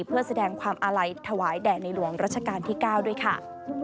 เพื่อแสดงความอาลัยถวายแด่ในหลวงรัชกาลที่๙ด้วยค่ะ